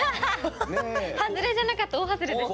外れじゃなかった大外れでした。